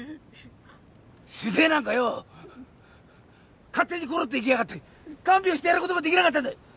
静江なんかよ勝手にコロッと逝きやがって看病してやることもできなかったんだ！